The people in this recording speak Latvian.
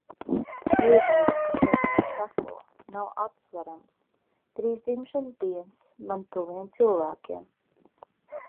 Vieglums, kas pēc tam seko, nav atsverams. Drīz dzimšanas dienas man tuviem cilvēkiem.